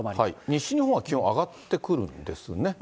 西日本は気温上がってくるんですね。